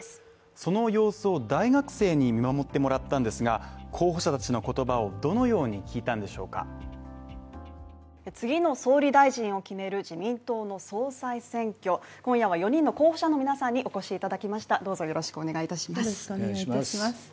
その様子を大学生に見守ってもらったんですが候補者たちの言葉をどのように聞いたんでしょうか次の総理大臣を決める自民党の総裁選挙今夜は４人の候補者の皆さんにお越しいただきましたどうぞよろしくお願いいたします